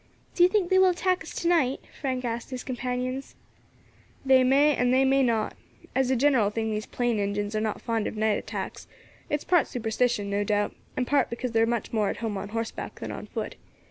"Do you think they will attack us to night?" Frank asked his companions. "They may, and they may not. As a general thing these Plain Injins are not fond of night attacks; it's part superstition, no doubt, and part because they are much more at home on horseback than on foot.